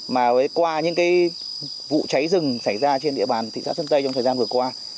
mà qua những vụ cháy rừng xảy ra trên địa bàn thị xã xuân tây trong thời gian vừa qua